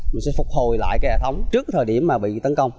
mình sẽ phục hồi lại cái hệ thống trước thời điểm mà bị tấn công